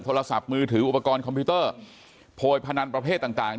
โทรศัพท์มือถืออุปกรณ์คอมพิวเตอร์โพยพนันประเภทต่าง